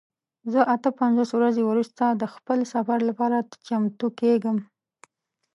زه اته پنځوس ورځې وروسته د خپل سفر لپاره چمتو کیږم.